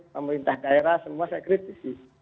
pemerintah daerah semua saya kritisi